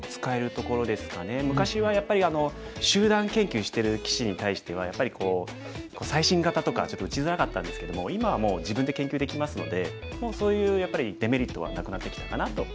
昔はやっぱり集団研究してる棋士に対してはやっぱり最新型とかちょっと打ちづらかったんですけども今はもう自分で研究できますのでそういうやっぱりデメリットはなくなってきたかなと。